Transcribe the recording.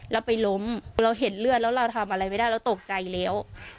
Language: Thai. เราไปล้มเราเห็นเลือดแล้วเราทำอะไรไม่ได้เราตกใจแล้ว